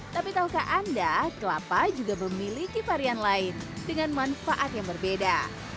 tapi tahukah anda kelapa juga memiliki varian lain dengan manfaat yang berbeda